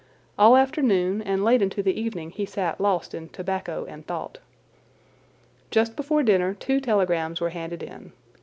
All afternoon and late into the evening he sat lost in tobacco and thought. Just before dinner two telegrams were handed in.